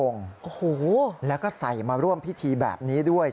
๒๐๐องค์แล้วก็ใส่มาร่วมพิธีแบบนี้ด้วยโอ้โฮ